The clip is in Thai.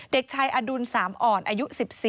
เด็กชายอดุลสามอ่อนอายุ๑๔